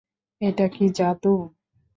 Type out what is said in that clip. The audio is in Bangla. এটা কি জাদু?